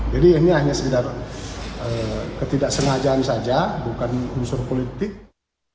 jadi ini hanya sekedar ketidaksengajaan saja bukan unsur politik